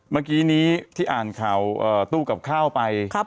เมื่อกี้นี้ที่อ่านข่าวตู้กับข้าวไป